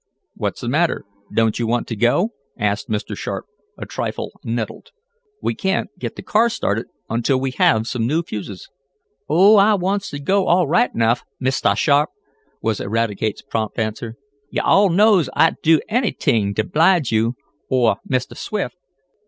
"What's the matter? Don't you want to go?" asked Mr. Sharp, a trifle nettled. "We can't get the car started until we have some new fuses." "Oh, I wants t' go all right 'nuff, Mistah Sharp," was Eradicate's prompt answer. "Yo' all knows I'd do anyt'ing t' 'blige yo' or Mistah Swift.